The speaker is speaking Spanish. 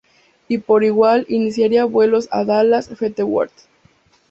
Y por igual iniciaría vuelos a Dallas Ft Worth.